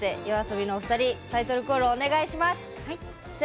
ＹＯＡＳＯＢＩの２人タイトルコール、お願いします。